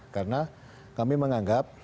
karena kami menganggap